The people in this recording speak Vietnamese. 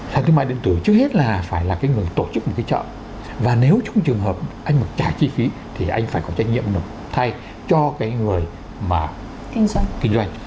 sang thương mại điện tử trước hết là phải là cái người tổ chức một cái chợ và nếu trong trường hợp anh mà trả chi phí thì anh phải có trách nhiệm nộp thay cho cái người mà chính xác kinh doanh